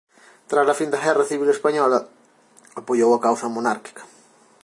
Trala fin da guerra civil española apoiou a causa monárquica.